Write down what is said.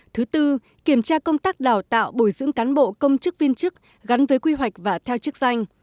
thứ tư kiểm tra công tác đào tạo bồi dưỡng cán bộ công chức viên chức gắn với quy hoạch và theo chức danh